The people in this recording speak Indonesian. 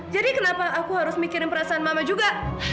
jadi kenapa aku harus mikirin perasaan mama juga